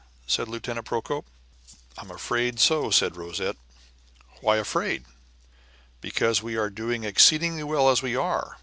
said Lieutenant Procope. "I am afraid so," said Rosette. "Why afraid?" "Because we are doing exceedingly well as we are."